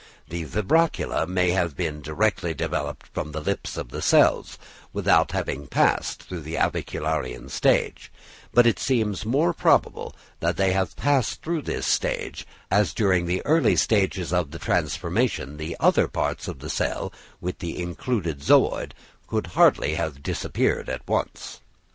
The vibracula may have been directly developed from the lips of the cells, without having passed through the avicularian stage; but it seems more probable that they have passed through this stage, as during the early stages of the transformation, the other parts of the cell, with the included zooid, could hardly have disappeared at once.